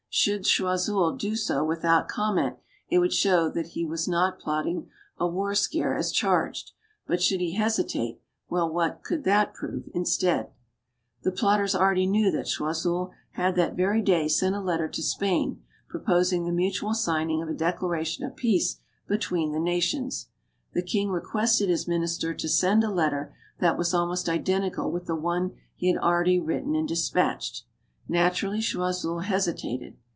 Should Choiseul do so without comment, it would show he was not plotting a war scare, as charged. But should he hesitate well, what could that prove, instead ? The plotters already knew that Choiseul had that MADAME DU BARRY 197 very day sent a letter to Spain, proposing the mutual signing of a declaration of peace between the nations. The king requested his minister to send a letter that was almost identical with the one he had already writ ten and dispatched. Naturally Choiseul hesitated.